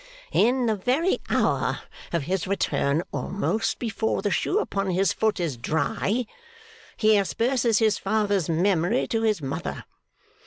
'In the very hour of his return almost before the shoe upon his foot is dry he asperses his father's memory to his mother!